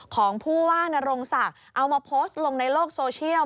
ของผู้ว่านรงศักดิ์เอามาโพสต์ลงในโลกโซเชียล